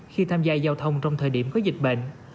khi tham gia giao thông trong thời điểm có dịch bệnh